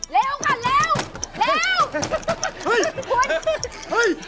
เร็วค่ะเร็ว